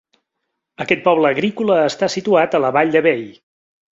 Aquest poble agrícola està situat a la vall de Bey.